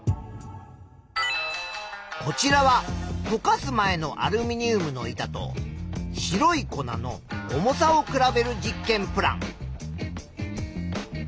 こちらはとかす前のアルミニウムの板と白い粉の重さを比べる実験プラン。